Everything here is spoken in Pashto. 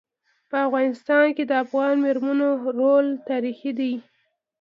په افغانستان کي د افغان میرمنو رول تاریخي دی.